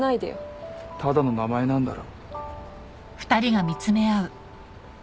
ただの名前なんだろ？